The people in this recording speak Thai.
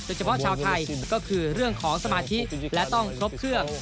เฉพาะชาวไทยก็คือเรื่องของสมาธิและต้องครบเครื่อง